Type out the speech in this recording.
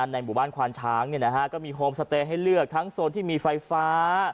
ในหมู่บ้านควานช้างก็มีโฮมสเตย์ให้เลือกทั้งโซนที่มีไฟฟ้า